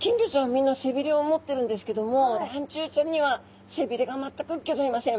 みんな背びれを持ってるんですけどもらんちゅうちゃんには背びれが全くギョざいません。